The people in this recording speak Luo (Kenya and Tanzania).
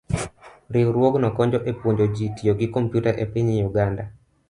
Riwruogno konyo e puonjo ji tiyo gi kompyuta e piny Uganda.